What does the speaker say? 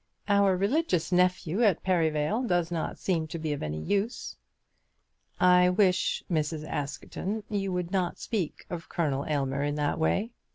"Our religious nephew at Perivale does not seem to be of any use." "I wish, Mrs. Askerton, you would not speak of Captain Aylmer in that way.